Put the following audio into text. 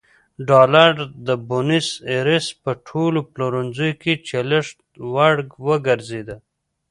ډالر د بونیس ایرس په ټولو پلورنځیو کې چلښت وړ وګرځېد.